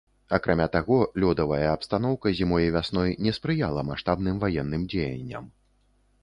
Акрамя таго, лёдавая абстаноўка зімой і вясной не спрыяла маштабным ваенным дзеянням.